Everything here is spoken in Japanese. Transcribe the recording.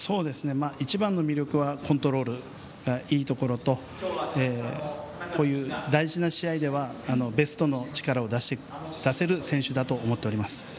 一番の魅力はコントロールいいところとこういう大事な試合ではベストの力を出せる選手だと思っております。